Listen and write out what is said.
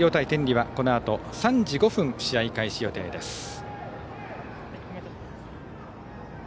天理はこのあと３時５分試合予定です。